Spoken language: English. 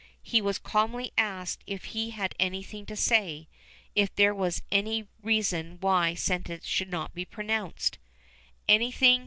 He was calmly asked if he had anything to say, if there were any reason why sentence should not be pronounced. "Anything